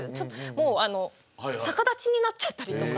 もう逆立ちになっちゃったりとか。